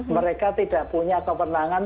mereka tidak punya kewenangan